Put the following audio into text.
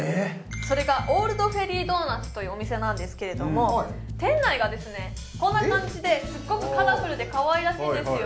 それがオールドフェリードーナツというお店なんですけれども店内がこんな感じですっごくカラフルでかわいらしいんですよ